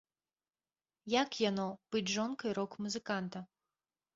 Як яно, быць жонкай рок-музыканта?